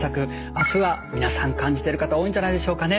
明日は皆さん感じてる方多いんじゃないんでしょうかね。